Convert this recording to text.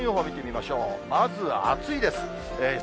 まず暑いです。